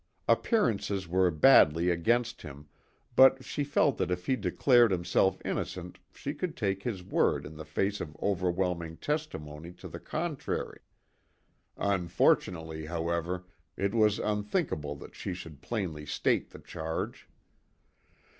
Appearances were badly against him, but she felt that if he declared himself innocent she could take his word in the face of overwhelming testimony to the contrary, Unfortunately, however, it was unthinkable that she should plainly state the charge.